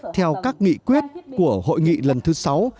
theo các nghị quyết của hội nghị lần thứ sáu